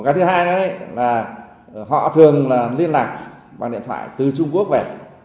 cái thứ hai nữa là họ thường liên lạc bằng điện thoại từ trung quốc về